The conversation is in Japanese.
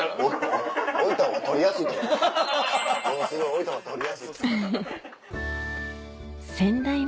置いた方が撮りやすい。